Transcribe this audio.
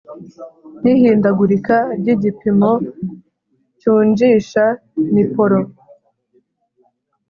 n ihindagurika ry igipimo cy unjisha Ni polo